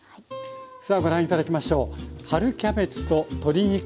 さあご覧頂きましょう。